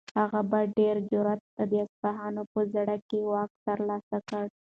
هغه په ډېر جرئت د اصفهان په زړه کې واک ترلاسه کړ.